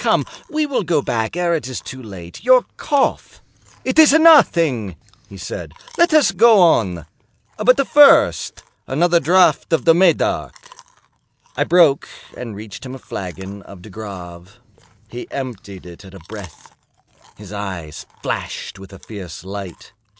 Come, we will go back ere it is too late. Your cough—" "It is nothing," he said; "let us go on. But first, another draught of the Medoc." I broke and reached him a flagon of De Grave. He emptied it at a breath. His eyes flashed with a fierce light.